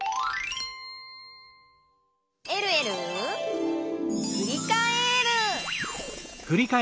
「えるえるふりかえる」